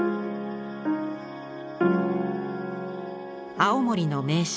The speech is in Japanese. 青森の名勝